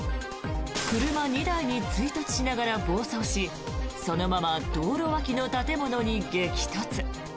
車２台に追突しながら暴走しそのまま道路脇の建物に激突。